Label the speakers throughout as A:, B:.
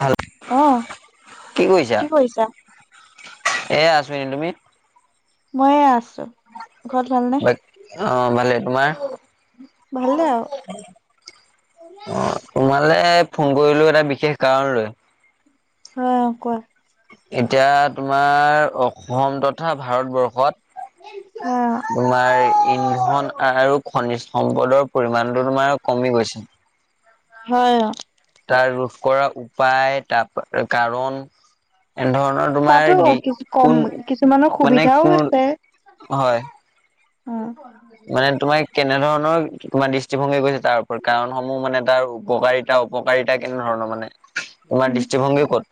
A: ভাল
B: অ', কি কৰিছা?
A: এ আছো এনে তুমি।
B: ময়ে আছো। ঘৰত ভালনে
A: অ', ভালে তোমাৰ?
B: ভালে
A: অ',
B: আৰু
A: তোমালে। ফোন কৰিলোও এটা বিশেষ কাৰণ লৈ
B: অ' কোৱা।
A: এতিয়া তোমাৰ অসম তথা ভাৰতবৰ্ষত
B: অ।
A: তোমাৰ ইন্ধন আৰু খনিজ সম্পদৰ পৰিমাণটো তোমাৰ কমি গৈছে।
B: হয়।
A: তাৰ ৰোধ কৰা উপায় তাৰ কাৰণ এনেধৰণৰ তোমাৰ
B: তাতো
A: দি
B: কিছু কম
A: কোন
B: কিছুমানৰ
A: মানে
B: সুবিধাও
A: কোন
B: হৈছে
A: হয়।
B: অ।
A: মানে তোমাৰ কেনে ধৰণৰ তোমাৰ দৃষ্টিভংগী গৈছে, তাৰ ওপৰত কাৰণসমূহ মানে তাৰ উপকাৰিতা অপকাৰিতা কেনে ধৰণৰ মানে? তোমাৰ দৃষ্টিভংগী ক'ত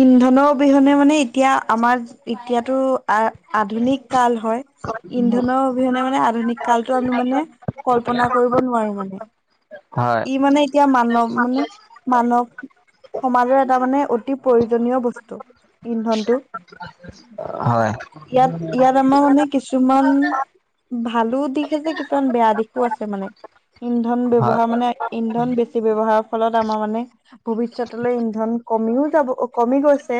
B: ইন্দ অবিহনে মানে এতিয়া আমাৰ এতিয়াতো আ আধুনিক কাল হয়। ইন্ধনৰ অবিহনে মানে আধুনিক কালতটো আমি মানে কল্পনা কৰিব নোৱাৰো মানে
A: হয়,
B: ই মানে এতিয়া মানৱ মানে মানৱ সমাজৰ এটা মানে অতি প্ৰয়োজনীয় বস্তু ইন্ধনটো
A: [inaudible]
B: ইয়াত ইয়াত আমাৰ মানে কিছুমান ভালো দিশ আছে কিছুমান বেয়া দিশো আছে মানে ইন্ধন ব্য্য়ৱহ
A: হয়,
B: মানে ইন্ধন বেছি ব ব্যৱহাৰৰ ফলত আমাৰ মানে ভৱিষ্যতলৈ ইন্ধন কমিও কমি গৈছে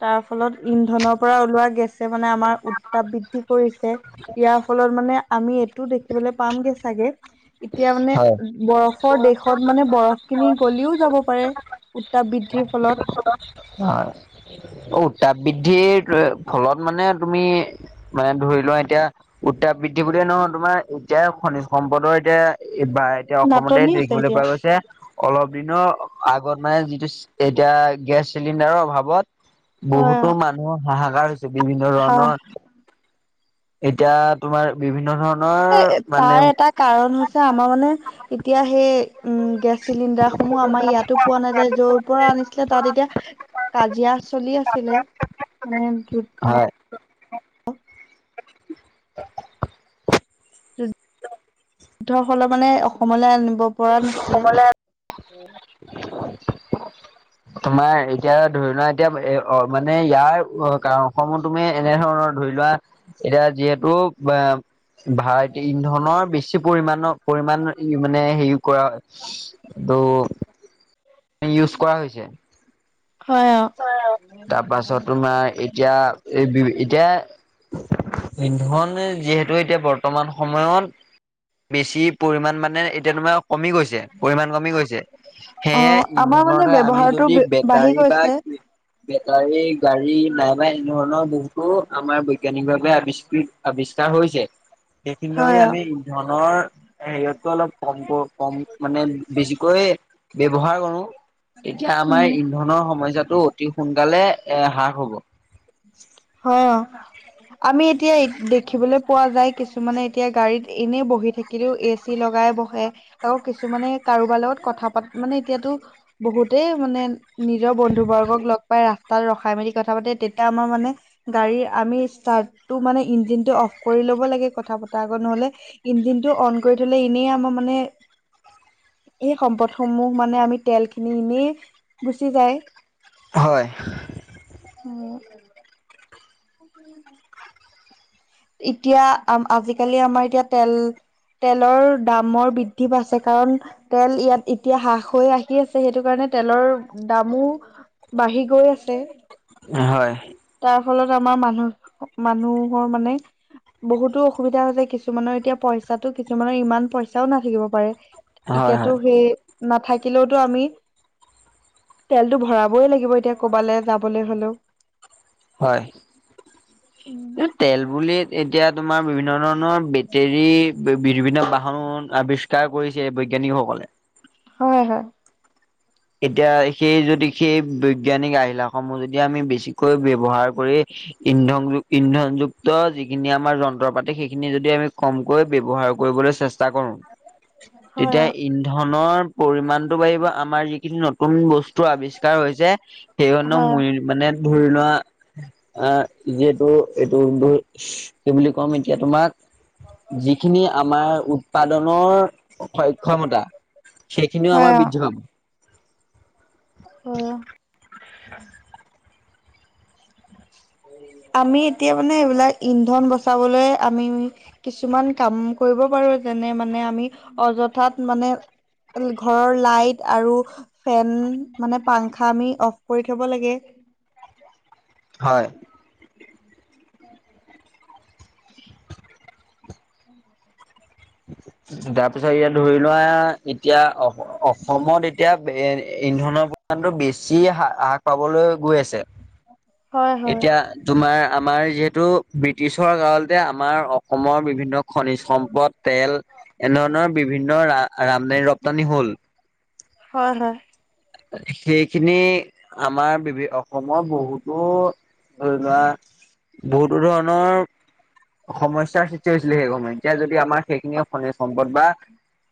B: তাৰ ফলত ইন্ধনৰ পৰা ওলোৱা গেছ মানে আমাৰ উত্তাপ বৃদ্ধি কৰিছে ইয়াৰ ফলত মানে আমি টো দেখিবলৈ পামগে চাগে এতিয়া মানে
A: হয়,
B: বৰফৰ দেশত মানে বৰফ কিনি গলিও যাব পাৰে উত্তাপ বৃদ্ধিৰ ফলত
A: অ উঔটা বিদ্ধি ফলত মানে তুমি মানে ধৰি লোৱা এতিয়া উত্তাপ বৃদ্ধি বুলিয়ে নহয় তোমাৰ এতিয়া খনিজ সম্পদৰ এতিয়া এই বা এতিয়া অসমতে
B: নাটনি আছে
A: দেখিবলৈ
B: এতিয়া
A: পোৱা গৈছে অলপ দিনৰ আগত মানে যিটো এতিয়া গেছ চিলিণ্ডাৰৰ অভাৱত
B: হয়
A: বহুতো মানুহ হাহাকাৰ হৈছে বিভিন্ন
B: হা
A: ধৰণৰ এতিয়া তোমাৰ বিভিন্ন ধৰণৰ
B: এ
A: মানে
B: তাৰ এটা কাৰণ হৈছে আমাৰ মানে এতিয়া সেই উম গেছ চিলিণ্ডাৰ সমূহ আমাৰ ইয়াতো পোৱা নাযায় যৰ পৰা আনিছিলে তাত এতিয়া কাজিয়া চলি আছিলে মানে যুদ্ধ
A: হয় [unintelligible]
B: যুদ্ধ হলে মানে অসমলৈ আনিব পৰা নাছিলে
A: অ তোমাৰ এতিয়া ধৰি নোৱা এতিয়া এ মানে ইয়াৰ কাৰণ অসমত তুমি এনে ধৰণৰ ধৰি লোৱা এতিয়া যিহেতু বা ভাৰত ইন্ধনৰ বেছি পৰিণৰ পৰিণ মানে হেৰি কৰা ত ইউজ কৰা হৈছে
B: হয় অ।
A: তাৰ পাছত তোমাৰ এতিয়া এই বি এতিয়া ইন্ধনে যিহেতু এতিয়া বৰ্তমান সময়ত বেছি পৰিমণ মানে এতিয়ামা কমি গৈছে পৰিমণ কমি গৈছে
B: অ
A: সেয়েহে
B: আমাৰ মানে
A: ইন্ধনৰহে আমি
B: ব্যৱহাৰটো
A: যদি
B: বাঢ়ি
A: বেটাৰী বা
B: গৈছে।
A: বেটাৰী গাড়ী নাই নবা এনেধৰণৰ বহুতো আমাৰ বৈজ্ঞানিকভাৱে আৱিষ্কৃত আৱিষ্কাৰ হৈছে সেইখিনি ধৰি
B: হয় অ।
A: আমি ধনৰ হেৰিতকৈ অলপ কমক কম মানে বেছিকৈ ব্য্ৱহাৰ কৰো এতিয়া আমাৰ
B: উম
A: ইন্ধনৰ সময়্াত অতি সোনকালে এ হ্ৰাস হ'ব
B: হ আমি এতিয়া দেখিবলৈ পোৱা যায় কিছুমানে এতিয়া গাড়ীত এনেই বহি থাকিলেও এ চি লগাই বহে তক কিছুমানে কাৰোবাৰ লগত কথা পাত মানে এতিয়াতো বহুতেই মানে নিজৰ বন্ধুবৰ্গক লগ পাই ৰাস্তাত ৰখাই মেলি কথা পাতে এয়া আমাৰ মানে গাড়ীৰ আমি ষ্টাৰ্ট টো মানে ইঞ্জিন টো অফ কৰি ল'ব লাগে কথা পতা আগ নহ'লে ইঞ্জিন টো অন কৰি থলে এনেই আমাৰ মানে
A: হয়
B: এই সম্পদ সমূহ মানে আমি তেলখিনি এনেই গুচি যায়
A: হয়
B: উম উ এতিয়া আ আজিকালি আমাৰ এতিয়া তেল তেলৰ দামৰ বৃদ্ধি পাইছে কাৰণ তেল ইয়াত এতিয়া হ্ৰাস হৈ আহি আছে সেইটো কাৰণে তেলৰ দামো বাঢ়ি গৈ আছে
A: হয়
B: তাৰ ফলত আমাৰ মানুহ মানুহৰ মানে বহুতো অসুবিধা যায় কিছুমানৰ এতিয়া পইচাো কিছুমানৰ ইমান পইচাও নাথাকিব পাৰে
A: হয় হয়
B: এতিয়াতো সেই নাথাকিলেওতো আমি তেলতটো ভৰাবই লাগিব এতিয়া কৰবালৈ যাবলৈ হ'লেও
A: হয় তেল বুলি এতিয়া তোমাৰ বিভিন্ন ধৰণ ৰ বেটেৰী বিভিন্ন বাহন আৱিষ্কাৰ কৰিছে বৈজ্ঞানিকসকলে
B: হয় হয়
A: এতিয়া সেই যদি সেই বৈজ্ঞানিক আহিলাস সমূহ যদি আমি বেছিকৈ ব্য্ৱহাৰ কৰি ইন্ধন ইন্ধনযুক্ত যিখিনি আমাৰ যন্ত্ৰ পাতি সেইখিনি যদি আমি কমকৈ ব্য্ৱহাৰ কৰ
B: হয়
A: [unintelligible] য নতুন বস্তু আৱিষ্কাৰ হৈছে সেই হ ম মানে ধৰি লোৱা আ যিহেতু এইটো কি বুলি কম এতিয়া তোমাক যিখিনি আমাৰ উৎপাদনৰ সক্ষমতা সেইখিনিও আমাৰ
B: হয় অ'।
A: [inaudible]
B: আমি এতিয়া মানে এইবিলাক ইন্ধন বচাবলৈ আমি কিছুমান কাম কৰিব পাৰো। যেনে মানে আমি অযথাত মানে ঘৰৰ লাইট আৰু ফেন মানে পাংখা আমি অফ কৰি থ'ব লাগে।
A: হয়।
B: [inaudible]
A: [inaudible] তাৰ পিছত এতিয়া ধৰি লোৱা এতিয়া অসমত এতিয়া ইন্ধনৰ ইন্ধনৰ বেছি হা হ্ৰাস পাবলৈ গৈ আছে
B: হয় হয়
A: এতিয়া তোমাৰ আমাৰ যিহেতু ব্ৰিটিছৰ কাৰণতে আমাৰ অসমৰ বিভিন্ন খনিজ সম্প তেল এনেধৰণৰ বিভিন্ন ৰা ৰামদানি ৰপ্তানি হ'ল।
B: হয়-হয়।
A: সেইখিনি আমাৰ বিভিন্ন অসমৰ বহুতো ধৰি লোৱা বহুতো ধৰণৰ সমস্যাৰ সৃষ্টি হৈছিলে সেই সময় এতিয়া যদি আমাৰ সেইখিনি খনিজ সম্পদ বা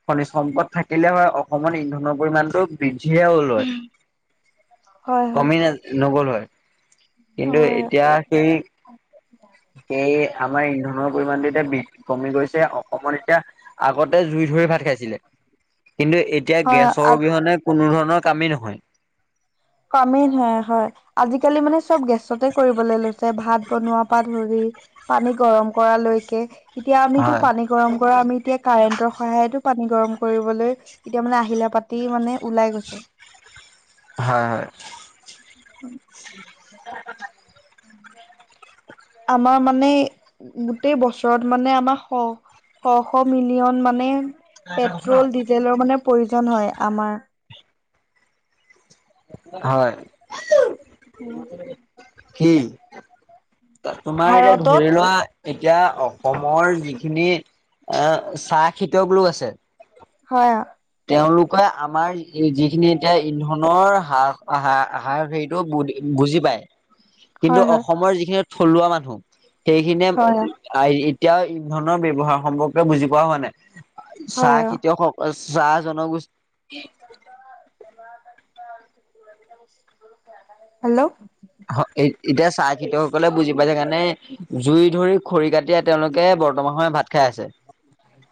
A: খনিজ সম্পদ থাকিলে হয়, অসমত ইন্ধনৰ পৰিমাণটো বৃদ্ধি [unintelligible] ল হয়
B: হয় হয়
A: কমি ন নগল হয়। কিন্তু
B: হয়
A: এতিয়া সেই, সেই আমাৰ ইন্ধনৰ পৰিমাণটো এতিয়া বৃদ্ধি কমি গৈছে অসমত এতিয়া আগতে জুই ধৰি ভাত খাইছিলে। কিন্তু এতিয়া গেছৰ
B: হয়
A: অবিহনে কোনো ধৰণৰ কামেই নহয়।
B: কমেই নহয় হয়, আজিকালি মানে চব গেছতে কৰিবলৈ লৈছে। ভাত বনোৱাৰ পৰা ধৰি পানী গৰম কৰা লৈকে। এতিয়া আমিতো
A: হয়
B: পানী গৰম কৰা আমি এতিয়া কাৰেন্টৰ সহায়তো পানী গৰম কৰিবলৈ এতিয়া মানে আহিলা-পাতি মানে ওলাই গৈছে।
A: হয়-হয়।
B: আমাৰ মানে গোটেই বছৰত মানে আমাৰ শ শ-শ মিলিয়ন মানে পেট্ৰ'ল, ডিজেলৰ মানে প্ৰয়োজন হয় আমাৰ
A: হয়।
B: উম'।
A: হম। তোমাৰ এতিয়া
B: ভাৰতত
A: ধৰি লোৱা। এতিয়া অসমৰ যিখিনি আহ চাহ খেতিয়ক লোক আছে।
B: হয়।
A: তেওঁলোকে আমাৰ যিখিনি এতিয়া ইন্ধনৰ হাৰাৰ হেৰিটো বু বুজি পায়
B: হয়
A: কিন্তু
B: হয়
A: অসমৰ যিখিনি থলুৱা মানুহ সেইখিনিয়ে
B: হয়
A: এতিয়াও ইন্ধনৰ ব্যয়শৱহাৰ সম্পৰ্কে বুজি পোৱা হোৱা নাই। চাহ
B: হয় অ
A: খেতিয়কসকল চাহ জনগোষ্ঠী।
B: হেল্ল'।
A: এতিয়া চাহ খেতিয়কসকলে বুজি পাইছে কাৰণে জুই ধৰি খৰি কাটি তেওঁলোকে বৰ্তমান সময় ভাত খাই আছে।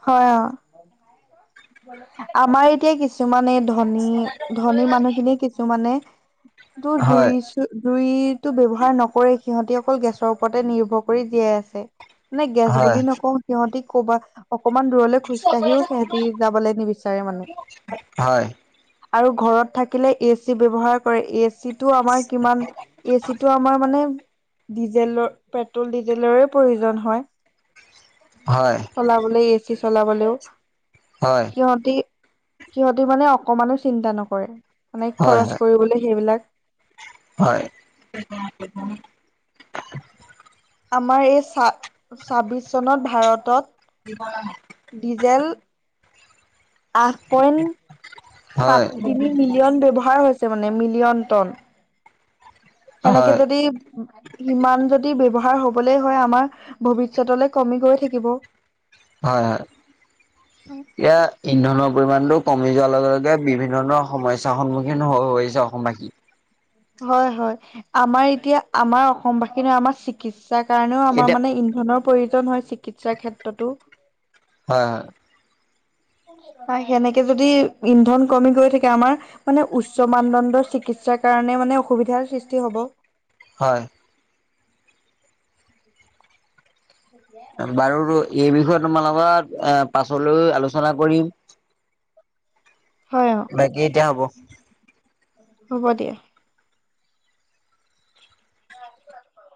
B: হয় অ আমাৰ এতিয়া কিছুমানে ধনী, ধনী মানুহখিনিয়ে কিছুমানে তোৰ দুই,
A: হয়
B: দুই। টো ব্যৱহাৰ নকৰে সিহঁতি অকল গেছৰ ওপৰতে নিৰ্ভৰ কৰি জীয়াই আছে। মানে গেছ
A: হয়
B: বুলি নকওঁ, সিহঁতি ক'বা অকনমান দূৰলৈ খোজ কাঢ়িও সিহঁতি যাবলৈ নিবিচাৰে মানে।
A: হয়
B: আৰু ঘৰত থাকিলে এ চি ব্যৱহাৰ কৰে, এ চিত টো আমাৰ কিমান এচিটো আমাৰ মানে। ডিজেলৰ পেট্ৰল ডিজেলৰে প্ৰয়োজন হয়।
A: হয়
B: চলাবলে এ চি চলাবলেও
A: হয়
B: সিহঁতি সিহঁতি মানে অকমানো চিন্তা নকৰে মানে
A: হয়
B: খৰচ কৰিবলে সেইবিলাক।
A: হয়।
B: আমাৰ এই চা ছাবিছ চনত ভাৰতত ডিজেল আঠ পইন্ট
A: হয়
B: সাত তিনি মিলিয়ন ব্যৱহাৰ হৈছ চে মানে মিলিয়ন টন।
A: হয়
B: সেনেকে
A: হয়
B: যদি ইমান যদি বেব হাৰ হ'বলে হয় আমাৰ ভৱিষ্যতলৈ কমি গৈ থাকিব।
A: হয়-হয়, এয়া ইন্ধনৰ পৰিমাণটো কমি যোৱাৰ লগে- লগে বিভিন্ন ধৰণৰ সমস্যাৰ সন্মুখীন হৈছে অসমবাসী।
B: হয়-হয় আমাৰ এতিয়া আমাৰ অসমবাসী ন আমাৰ চিকিৎ চাৰ কাৰণেও আমাৰ
A: এতিয়া
B: মানে ইন্ধনৰ প্ৰয়োজন হয় চিকিৎসাৰ ক্ষেত্ৰতো।
A: হয়।
B: সেনেকে যদি ইন্ধন কমি গৈ থাকে আমাৰ মানে উচ্চ মানদণ্ডৰ চিকিৎ চাৰ কাৰণে মানে অসুবিধাৰ সৃষ্টি হ'ব।
A: হয়। বাৰু এই বিষয়ে তোমাৰ লগত এ পাছলৈও আলোচনা কৰিম।
B: হয় অ
A: বাকী এতিয়া হ'ব।
B: হ'ব দিয়া।